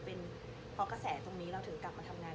เพราะกระแสตรงนี้เราถึงกลับมาทำงาน